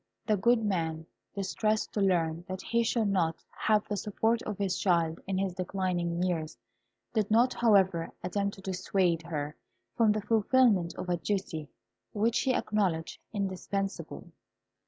The good man, distressed to learn that he should not have the support of his child in his declining years, did not, however, attempt to dissuade her from the fulfilment of a duty which he acknowledged indispensable.